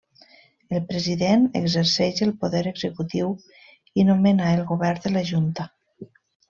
El President exerceix el poder executiu i nomena el Govern de la Junta.